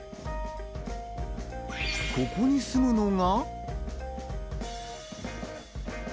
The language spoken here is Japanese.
ここに住むのが。